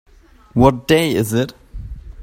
What day is it?